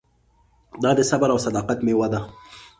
دا د صبر او صداقت مېوه ده.